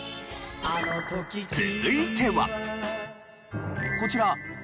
続いては。